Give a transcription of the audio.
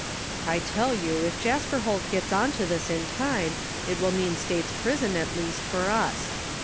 " I tell you if Jasper Holt get's onto this in time it will mean State's prison at least for us